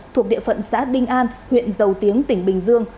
thuộc địa phận xã đinh an huyện dầu tiếng tỉnh bình dương